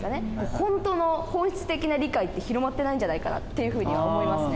本当の、本質的な理解って、広まってないんじゃないかなっていうふうに思いますね。